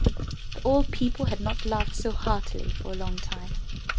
The old people had not laughed so heartily for a long time.